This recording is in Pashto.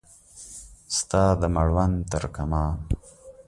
ستا د مړوند ترکمان